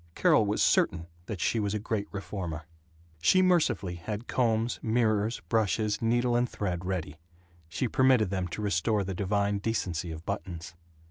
Carol was certain that she was a great reformer. She mercifully had combs, mirrors, brushes, needle and thread ready. She permitted them to restore the divine decency of buttons.